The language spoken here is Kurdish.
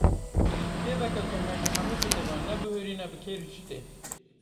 Kitêbeke ku me ji hemû kitêban nebihûrîne bi kêrî çi tê?